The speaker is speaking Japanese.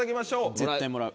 絶対もらう。